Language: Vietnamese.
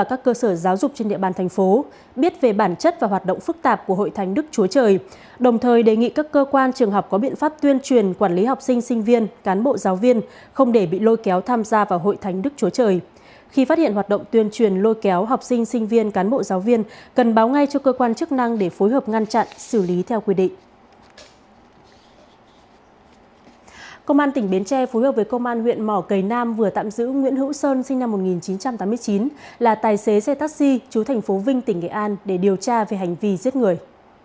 công an tỉnh biến tre phối hợp với công an huyện mỏ cầy nam vừa tạm giữ nguyễn hữu sơn sinh năm một nghìn chín trăm tám mươi chín là tài xế xe taxi trú thành phố vinh tỉnh nghệ an để điều tra về hành vi giết người